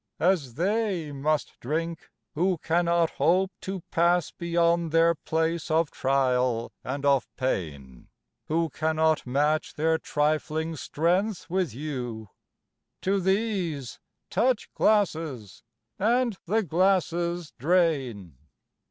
As they must drink, who cannot hope to pass Beyond their place of trial and of pain. Who cannot match their trifling strength with you; To these, touch glasses — ^and the glasses drain